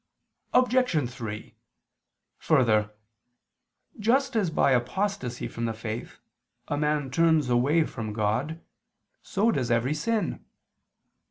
Obj. 3: Further, just as by apostasy from the faith, a man turns away from God, so does every sin.